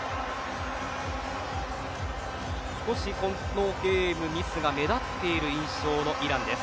少しこのゲーム、ミスが目立っている印象のイランです。